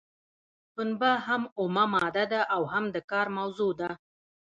پنبه هم اومه ماده ده او هم د کار موضوع ده.